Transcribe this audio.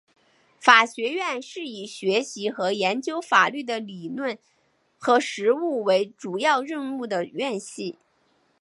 法学院是以学习和研究法律的理论和实务为主要任务的院系。